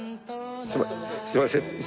すいません。